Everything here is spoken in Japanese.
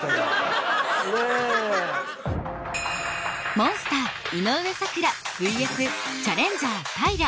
モンスター井上咲楽ＶＳチャレンジャーＴＹＲＡ。